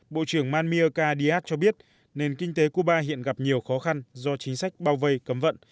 bộ trưởng manmiaka dyat cho biết nền kinh tế cuba hiện gặp nhiều khó khăn do chính sách bao vây cấm vận